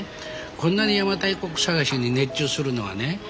こんなに邪馬台国探しに熱中するのはね